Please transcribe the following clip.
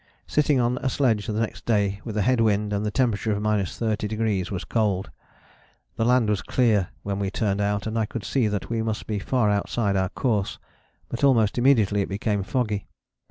Sitting on a sledge the next day with a head wind and the temperature 30° was cold. The land was clear when we turned out and I could see that we must be far outside our course, but almost immediately it became foggy.